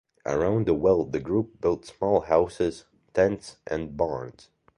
Around the well the group built small houses, tents, and barns.